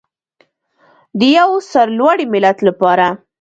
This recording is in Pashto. د یو سرلوړي ملت لپاره.